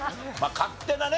勝手なね